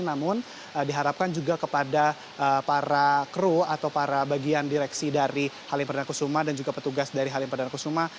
namun diharapkan juga kepada para kru atau para bagian direksi dari halim perdana kusuma dan juga petugas dari halim perdana kusuma